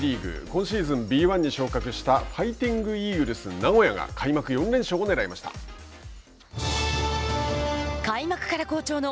今シーズンＢ１に昇格したファイティングイーグルス名古屋が開幕から好調の